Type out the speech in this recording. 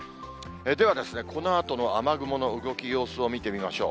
では、このあとの雨雲の動き、様子を見てみましょう。